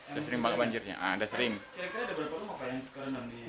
udah sering banget banjirnya